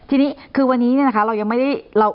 ทีนี้คือวันนี้อย่างคือไม่ได้